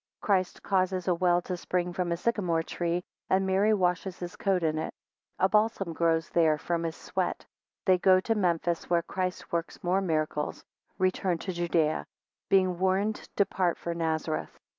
10 Christ causes a well to spring from a sycamore tree, and Mary washes his coat in it. 11 A balsam grows there from his sweat. They go to Memphis, where Christ works more miracles. Return to Judea. 15 Being warned, depart for Nazareth.